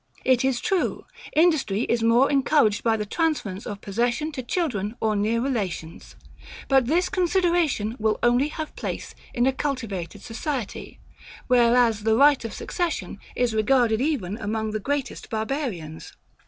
It is true; industry is more encouraged by the transference of possession to children or near relations: but this consideration will only have place in a cultivated society; whereas the right of succession is regarded even among the greatest Barbarians.